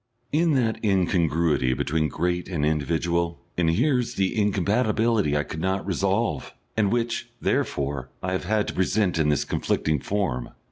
In that incongruity between great and individual inheres the incompatibility I could not resolve, and which, therefore, I have had to present in this conflicting form.